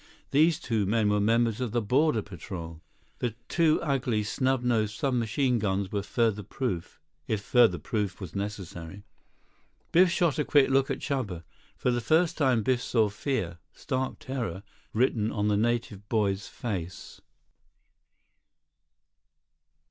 These two men were members of the border patrol. The two ugly, snub nosed sub machine guns were further proof, if further proof was necessary. Biff shot a quick look at Chuba. For the first time Biff saw fear—stark terror—written on the native boy's face.